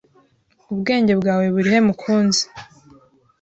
Ubwenge bwawe burihe mukunzi?